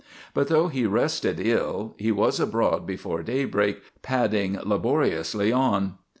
But though he rested ill, he was abroad before daybreak, padding laboriously on.